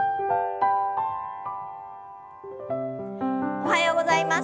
おはようございます。